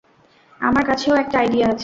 আমার কাছেও একটা আইডিয়া আছে।